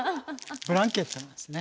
ブランケットですね。